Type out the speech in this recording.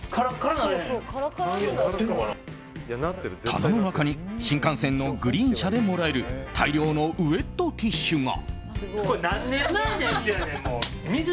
棚の中に新幹線のグリーン車でもらえる大量のウェットティッシュが。